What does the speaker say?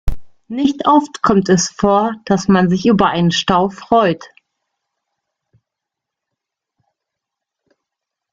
Nicht oft kommt es vor, dass man sich über einen Stau freut.